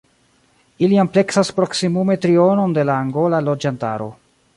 Ili ampleksas proksimume trionon de la angola loĝantaro.